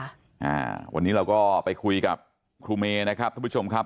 อ่าวันนี้เราก็ไปคุยกับครูเมนะครับท่านผู้ชมครับ